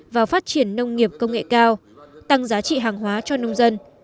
vào phát triển nông nghiệp công nghệ cao tăng giá trị hàng hóa cho nông dân